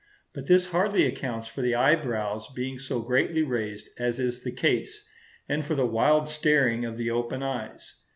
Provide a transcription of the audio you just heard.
But this hardly accounts for the eyebrows being so greatly raised as is the case, and for the wild staring of the open eyes.